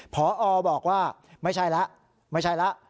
พอบอกว่าไม่ใช่แล้วไม่ใช่แล้ว